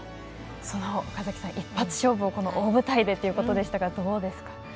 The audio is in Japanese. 岡崎さん、その一発勝負を大舞台でということでしたがどうですか？